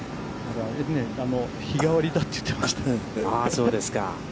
日がわりだって言っていました。